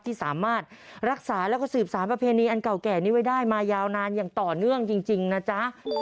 ที่สามารถรักษาแล้วก็สืบสารประเพณีอันเก่าแก่นี้ไว้ได้มายาวนานอย่างต่อเนื่องจริงนะจ๊ะ